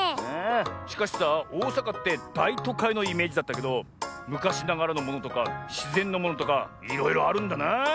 しかしさおおさかってだいとかいのイメージだったけどむかしながらのものとかしぜんのものとかいろいろあるんだな！